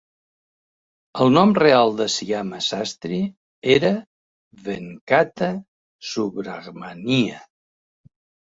El nom real de Syama Sastri era Venkata Subrahmanya.